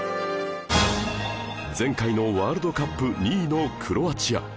前回のワールドカップ２位のクロアチア